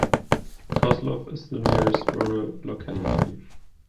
Kozlov is the nearest rural locality.